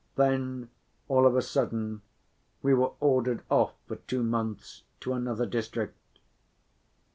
Then, all of a sudden, we were ordered off for two months to another district.